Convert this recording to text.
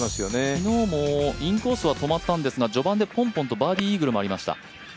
昨日もインコースは止まったんですが序盤でポンポンとバーディーイーグルもありました。